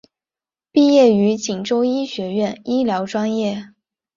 毕业于锦州医学院医疗专业。